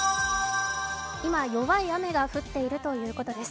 今、弱い雨が降っているということです。